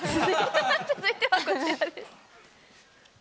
続いてはこちらです。